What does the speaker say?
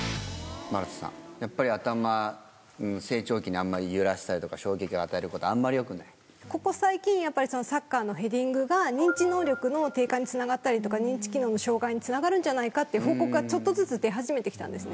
丸田さん、やっぱり頭、成長期にあんまり揺らしたりとか、衝撃を与えることはあんまりよくここ最近、やっぱりサッカーのヘディングが、認知能力の低下につながったりとか、人気機能の障害につながるんじゃないかっていう報告が、ちょっとずつ出始めてきたんですね。